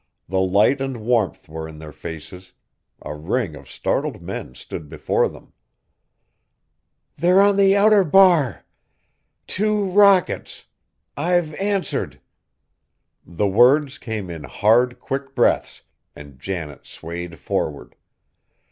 The light and warmth were in their faces. A ring of startled men stood before them. "They're on the outer bar! Two rockets! I've answered!" The words came in hard, quick breaths, and Janet swayed forward.